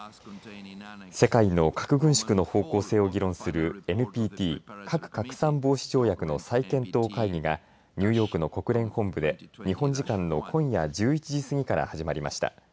世界の核軍縮の方向性を議論するＮＰＴ、核拡散防止条約の再検討会議がニューヨークの国連本部で日本時間の今夜１１時過ぎから始まりました。